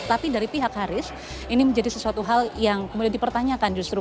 tapi dari pihak haris ini menjadi sesuatu hal yang kemudian dipertanyakan justru